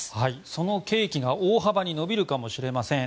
その刑期が大幅に延びるかもしれません。